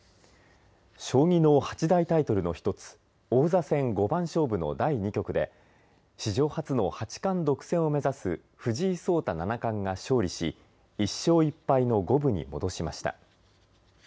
将棋の八大タイトルの１つ王座戦、五番勝負の第２局で史上初の八冠独占を目指す藤井聡太７冠が勝利し１勝１敗の五分に戻しました。